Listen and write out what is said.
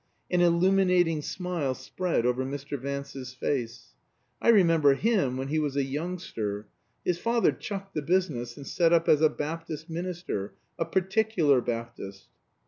An illuminating smile spread over Mr. Vance's face. "I remember him when he was a youngster. His father chucked the business, and set up as a Baptist minister a Particular Baptist."